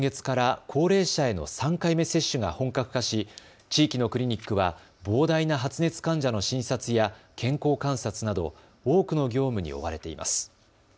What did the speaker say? さて今月から高齢者への３回目接種が本格化し、地域のクリニックは膨大な発熱患者の診察や健康観察など多くの業務に追われています。